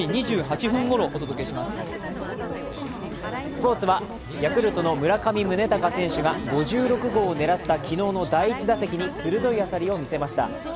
スポーツはヤクルトの村上宗隆選手が５６号を狙った昨日の第１打席に鋭い当たりを見せました。